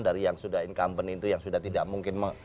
dari yang sudah incumbent itu yang sudah tidak mungkin